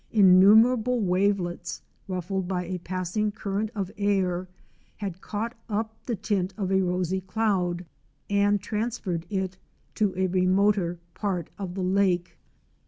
Innumerable wavelets, rufiled by a passing current of air, had caught up the tint of a rosy cloud, and transferred it to a remoter part of the lake.